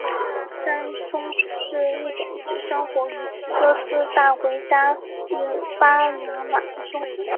山松鼠是一种只生活于哥斯大黎加与巴拿马的松鼠。